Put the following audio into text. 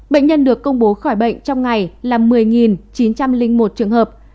bệnh nhân được công bố khỏi bệnh trong ngày là một mươi chín trăm linh một trường hợp